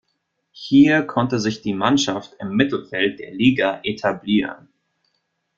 Hier konnte sich die Mannschaft im Mittelfeld der Liga etablieren.